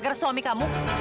bagaimana dengan suami kamu